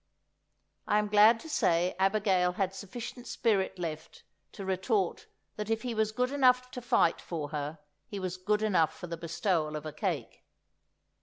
I am glad to say Abigail had sufficient spirit left to retort that if he was good enough to fight for her, he was good enough for the bestowal of a cake.